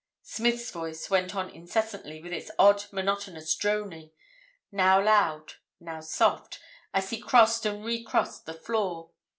Smith's voice went on incessantly with its odd, monotonous droning, now loud, now soft, as he crossed and re crossed the floor.